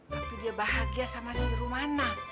waktu dia bahagia sama si rumana